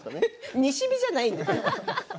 西日じゃないんで。